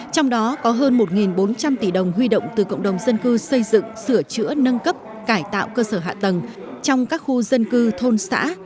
trong đó có hơn một bốn trăm linh tỷ đồng huy động từ cộng đồng dân cư xây dựng sửa chữa nâng cấp cải tạo cơ sở hạ tầng trong các khu dân cư thôn xã